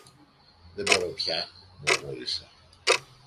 Δεν μπορώ πια, μουρμούρισε.